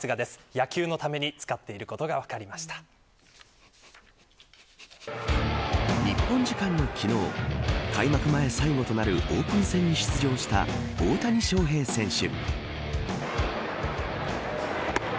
野球のために使っていることが日本時間の昨日開幕前最後となるオープン戦に出場した大谷選手。